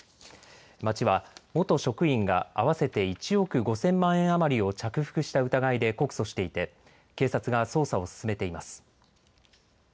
町は元職員が合わせて１億５０００万円余りを着服した疑いで告訴していて警察が捜査を進めています。